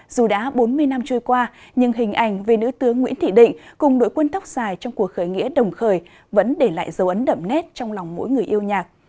dù đã bốn mươi năm trôi qua nhưng hình ảnh về nữ tướng nguyễn thị định cùng đội quân tóc dài trong cuộc khởi nghĩa đồng khởi vẫn để lại dấu ấn đậm nét trong lòng mỗi người yêu nhạc